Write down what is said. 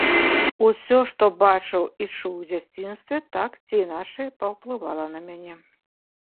Усё, што бачыў і чуў у дзяцінстве, так ці іначай паўплывала на мяне.